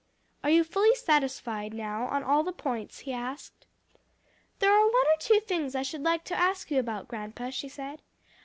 "Are you fully satisfied now on all the points?" he asked. "There are one or two things I should like to ask you about, grandpa," she said.